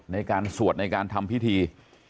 ในการสวดในการทำพิธี